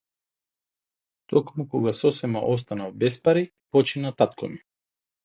Токму кога сосема останав без пари, почина татко ми.